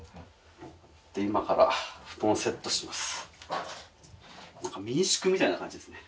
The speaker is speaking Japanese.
今から布団をセットします。